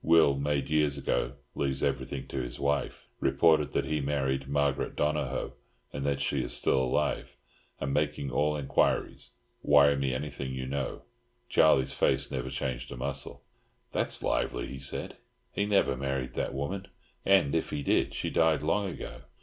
Will made years ago leaves everything to his wife. Reported that he married Margaret Donohoe, and that she is still alive. Am making all inquiries. Wire me anything you know." Charlie's face never changed a muscle. "That's lively!" he said. "He never married that woman; and, if he did, she died long ago."